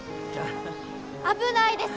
危ないです！